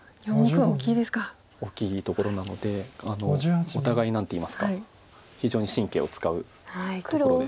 大きいところなのでお互い何ていいますか非常に神経を使うところです。